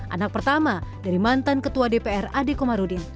anak pertama dari mantan ketua dpr ade komarudin